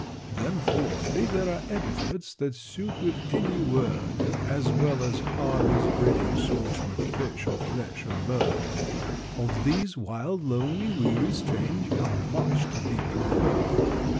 "Then fourthly, there are epithets That suit with any word As well as Harvey's Reading Sauce With fish, or flesh, or bird Of these, 'wild,' 'lonely,' 'weary,' 'strange,' Are much to be preferred."